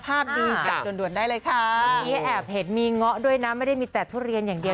อันนี้แอบเห็นมีเงาะด้วยนะไม่ได้มีแต่ทุเรียนอย่างเดียว